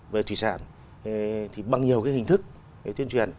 về thủy sản thì bằng nhiều hình thức tuyên truyền